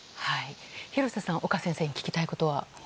廣瀬さん、岡先生に聞きたいことは？